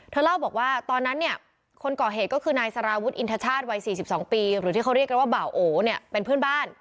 เล่าบอกว่าตอนนั้นเนี่ยคนก่อเหตุก็คือนายสารวุฒิอินทชาติวัย๔๒ปีหรือที่เขาเรียกกันว่าบ่าโอเนี่ยเป็นเพื่อนบ้าน